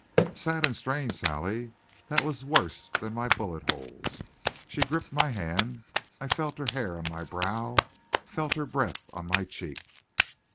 "Sad and strange, Sally. That was worse than my bullet holes." She gripped my hand. I felt her hair on my brow, felt her breath on my cheek.